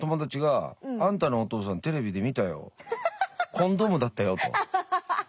「コンドームだったよ」と。